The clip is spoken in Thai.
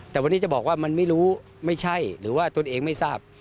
แต่วันนี้จะบอกว่ามันไม่รู้ไม่ใช่หรือว่าตนเองไม่ทราบ